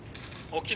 沖縄。